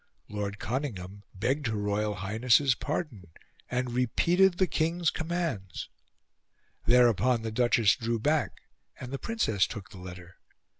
Lord Conyngham begged her Royal Highness's pardon, and repeated the King's commands. Thereupon the Duchess drew back, and the Princess took the letter.